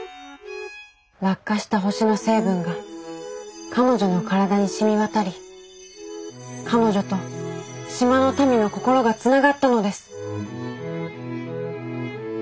落下した星の成分が彼女の体にしみわたり彼女と島の民の心がつながったのです。